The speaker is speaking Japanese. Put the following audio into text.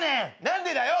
何でだよ！